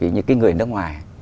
những cái người nước ngoài